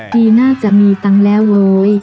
ปีหน้าจะมีตังค์แล้วเว้ย